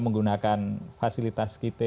menggunakan fasilitas kita